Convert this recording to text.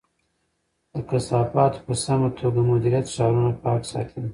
د کثافاتو په سمه توګه مدیریت ښارونه پاک ساتي.